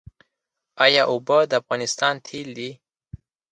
آیا اوبه د افغانستان تیل دي؟